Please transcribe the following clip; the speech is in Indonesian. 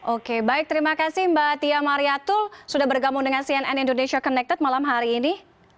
oke baik terima kasih mbak tia mariatul sudah bergabung dengan cnn indonesia connected malam hari ini